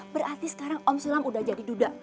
berarti sekarang om silam udah jadi duda